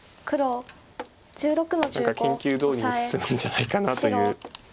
研究どおりに進むんじゃないかなという気がします。